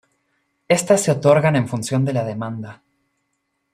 Estas se otorgan en función de la demanda.